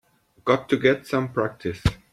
Got to get some practice.